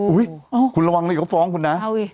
อุ๊ยคุณระวังนี่เขาฟ้องคุณนะ